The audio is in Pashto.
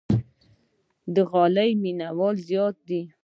د غالۍ مینوال زیات دي.